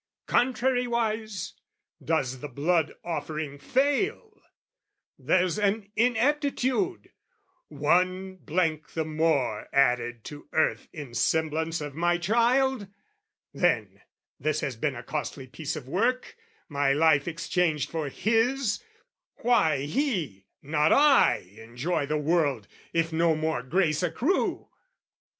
Contrariwise, does the blood offering fail? There's an ineptitude, one blank the more Added to earth in semblance of my child? Then, this has been a costly piece of work, My life exchanged for his! why he, not I, Enjoy the world, if no more grace accrue?